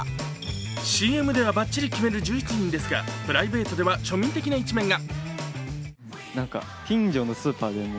ＣＭではばっちり決める１１人ですがプライベートでは庶民的な一面が。